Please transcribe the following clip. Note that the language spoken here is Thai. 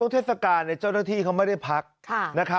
เทศกาลเจ้าหน้าที่เขาไม่ได้พัก